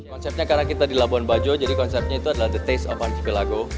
konsepnya karena kita di labuan bajo jadi konsepnya itu adalah the taste of fund chip lago